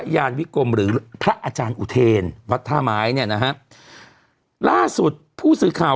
ยานวิกรมหรือพระอาจารย์อุเทนวัดท่าไม้เนี่ยนะฮะล่าสุดผู้สื่อข่าว